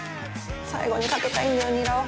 最後にかけたいんだよ